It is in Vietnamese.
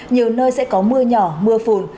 nhiều nơi sẽ có mưa nhỏ mưa phùn